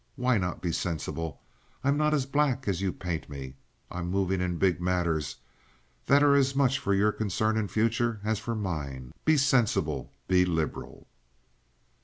Why not be sensible? I'm not as black as you paint me. I'm moving in big matters that are as much for your concern and future as for mine. Be sensible, be liberal."